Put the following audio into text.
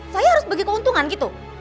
saya harus bagi keuntungan gitu